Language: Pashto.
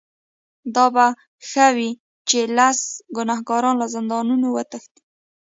دا به ښه وي چې لس ګناهکاران له زندانه وتښتي.